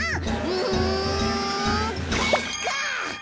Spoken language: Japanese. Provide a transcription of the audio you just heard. うんかいか！